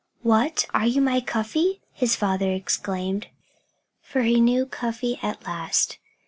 "What! Are you my Cuffy?" his father exclaimed. For he knew Cuffy at last.